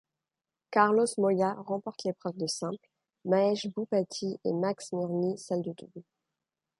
Carlos Moyà remporte l'épreuve de simple, Mahesh Bhupathi et Max Mirnyi celle de double.